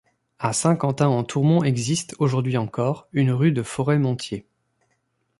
À Saint-Quentin-en-Tourmont existe, aujourd'hui encore, une rue de Forest-Montiers.